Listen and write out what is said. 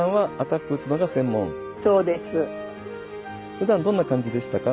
ふだんどんな感じでしたか？